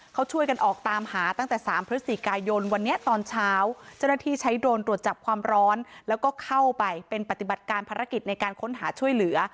เขาช่วยกันออกตามหาตั้งแต่๓พฤศจิกายนวันนี้ตอนเช้าเจ้าหน้าที่ใช้โดรนตรวจจับความร้อนแล้วก็เข้าไปเป็นปฏิบัติการภารกิจในการค้นหาช่วยเหลือ